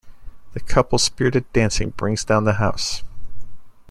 The couple's spirited dancing brings down the house.